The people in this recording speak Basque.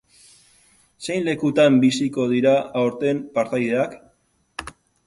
Zein lekutan biziko dira aurten partaideak?